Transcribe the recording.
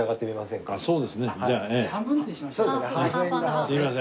すいません。